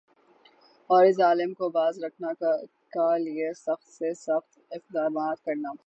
اور یِہ ظالم کو باز رکھنا کا لئے سخت سے سخت اقدامات کرنا